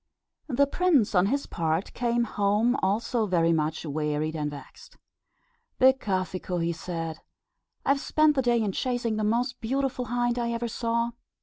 The prince on his part came home also very much wearied and vexed. "Becafico," he said, "I have spent the day in chasing the most beautiful hind I ever saw.